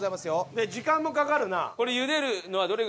じゃ時間もかかるなぁ。